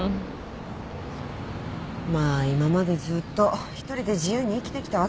まあ今までずっと１人で自由に生きてきたわけだしね。